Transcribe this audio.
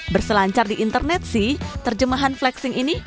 berselancar di internet sih terjemahan flexing ini